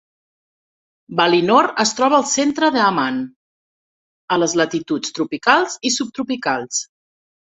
Valinor es troba al centre de Aman, a les latituds tropicals i subtropicals.